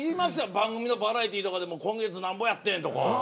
番組のバラエティーとかでも「今月なんぼやってん？」とか。